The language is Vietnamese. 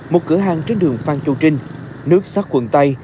một cửa hàng trên đường phan châu trinh nước sắc quần tây